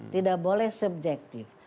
tidak boleh subjektif